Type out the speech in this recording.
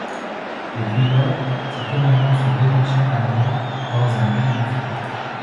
Depuis lors, cet évènement se déroule chaque année dans un pays différent.